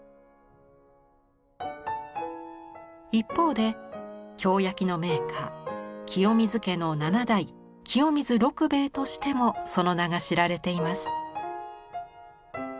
一方で京焼の名家清水家の７代清水六兵衞としてもその名が知られています。